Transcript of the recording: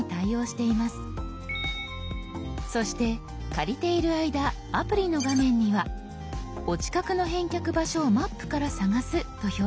そして借りている間アプリの画面には「お近くの返却場所をマップからさがす」と表示されています。